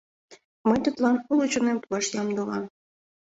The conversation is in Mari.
Мый тудлан уло чонем пуаш ямде улам.